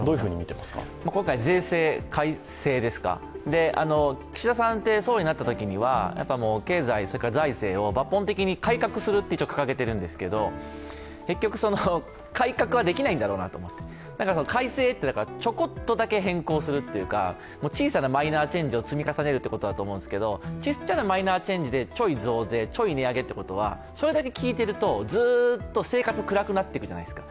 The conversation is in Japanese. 今回、税制改正ですか、岸田さんって総理になったときには経済財政を抜本的に改革すると一応掲げているんですけれども結局、改革はできないんだろうなと改正ってちょこっとだけ変更するというか、小さなマイナーチェンジを積み重ねるということだと思うんですけれども、ちっちゃなマイナーチェンジでちょい増税ということになるとそれだけ聞いてるとずっと生活暗くなってくじゃないですか。